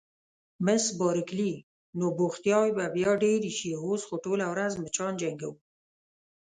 مس بارکلي: نو بوختیاوې به بیا ډېرې شي، اوس خو ټوله ورځ مچان جنګوو.